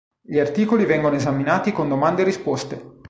Gli articoli vengono esaminati con domande e risposte.